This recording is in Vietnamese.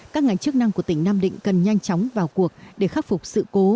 các ngành chức năng của tỉnh nam định cần nhanh chóng vào cuộc để khắc phục sự cố